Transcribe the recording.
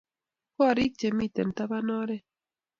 korik chemiten taban oret